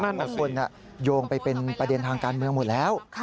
แต่คนโยงไปเป็นประเด็นทางการเมืองหมดแล้ว